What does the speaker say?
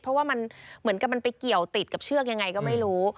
เพราะว่ามันเหมือนกับมันไปเกี่ยวติดกับเชือกยังไงก็ไม่รู้